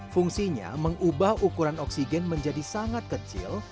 fungsinya mengubah ukuran oksigen menjadi sangat kecil